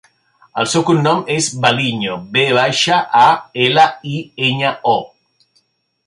El seu cognom és Valiño: ve baixa, a, ela, i, enya, o.